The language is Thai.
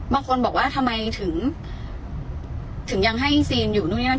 บางคนบอกว่าทำไมถึงยังให้ซีนอยู่นู่นนั่น